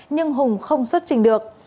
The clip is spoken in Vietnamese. nhưng hùng không xuất trình được